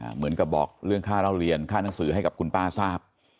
เหมือนกับบอกเรื่องค่าเล่าเรียนค่าหนังสือให้กับคุณป้าทราบ